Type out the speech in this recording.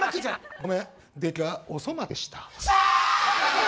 ごめん出来がお粗末でした。